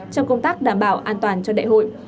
trong công tác đảm bảo an toàn cho đại hội